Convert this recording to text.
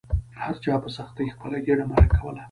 هر چا په سختۍ خپله ګیډه مړه کوله.